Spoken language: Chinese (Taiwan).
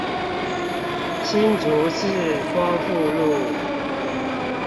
新竹市光復路